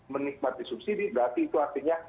menikmati subsidi berarti itu artinya